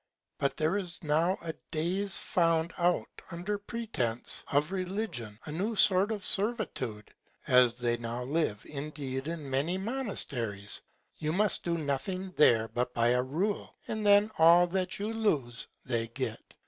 But there is now a Days found out under pretence of Religion a new Sort of Servitude, as they now live indeed in many Monasteries. You must do nothing there but by a Rule, and then all that you lose they get.